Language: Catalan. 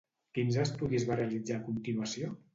Quins estudis va realitzar a continuació?